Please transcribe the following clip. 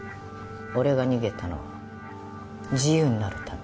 「俺が逃げたのは自由になるため。